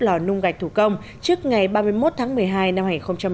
lò nung gạch thủ công trước ngày ba mươi một tháng một mươi hai năm hai nghìn hai mươi